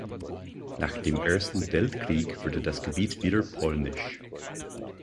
Nach dem Ersten Weltkrieg wurde das Gebiet wieder polnisch.